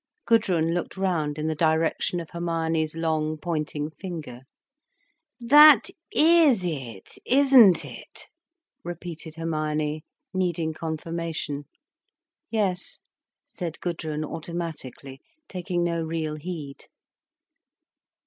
Gudrun looked round in the direction of Hermione's long, pointing finger. "That is it, isn't it?" repeated Hermione, needing confirmation. "Yes," said Gudrun automatically, taking no real heed.